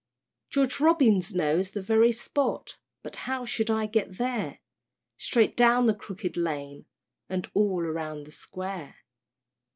George Robins knows the very spot, But how shall I get there? "Straight down the Crooked Lane, And all round the Square."